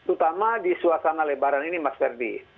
utama di suasana lebaran ini mas ferdi